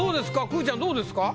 くーちゃんどうですか？